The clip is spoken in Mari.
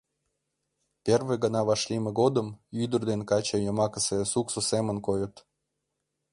Первый гана вашлийме годым ӱдыр ден каче йомакысе суксо семын койыт.